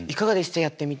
やってみて。